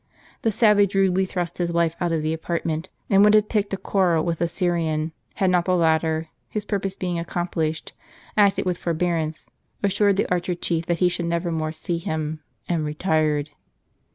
The savage rudely thrust his wife out of the apartment, and would have picked a quarrel with the Syrian ; had not the latter, his pur pose being accomplished, acted with forbearance, assured the archer chief that he should never more see him, and retired.